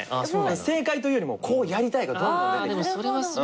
正解というよりも「こうやりたい」がどんどん出てきた。